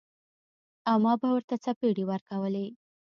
او ما به ورته څپېړې ورکولې.